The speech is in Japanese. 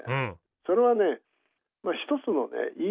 それはね一つのね言い訳。